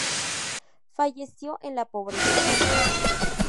Falleció en la pobreza.